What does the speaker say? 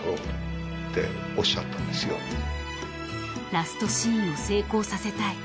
［ラストシーンを成功させたい。